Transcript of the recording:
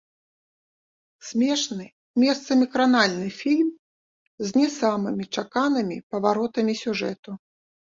Смешны, месцамі кранальны фільм з не самымі чаканымі паваротамі сюжэту.